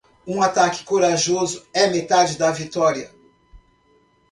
Um ataque corajoso é metade da vitória.